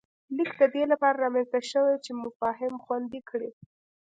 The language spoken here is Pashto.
لیک د دې له پاره رامنځته شوی چې مفاهیم خوندي کړي